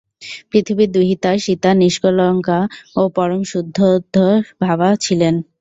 পৃথিবীর দুহিতা সীতা নিষ্কলঙ্কা ও পরম শুদ্ধস্বভাবা ছিলেন।